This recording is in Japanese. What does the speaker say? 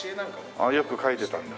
ああよく描いてたんだ。